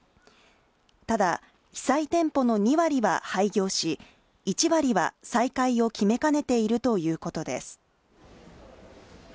ただ、被災店舗の２割は廃業し、１割は再開を決めかねているということです。